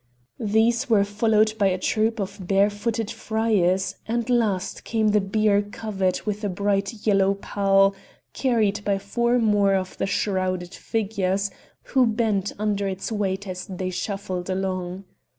These were followed by a troop of barefooted friars, and last came the bier covered with a bright yellow pall, carried by four more of the shrouded figures, who bent under its weight as they shuffled along.